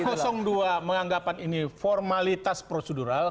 kalau kosong dua menganggap ini formalitas prosedural